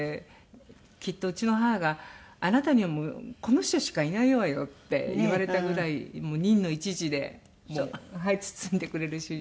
きっとうちの母が「あなたにはもうこの人しかいないわよ」って言われたぐらい忍の一字でもう包んでくれる主人。